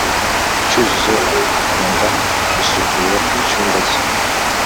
cyuzuzo akunda gusukura icyumba cye